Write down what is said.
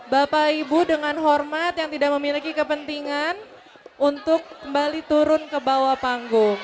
bapak ibu dengan hormat yang tidak memiliki kepentingan untuk kembali turun ke bawah panggung